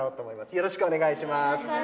よろしくお願いします。